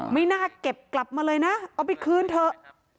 ไม่น่าเก็บกลับมาเลยนะเอาไปคืนเถอะ